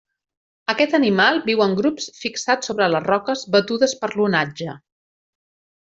Aquest animal viu en grups fixats sobre les roques batudes per l'onatge.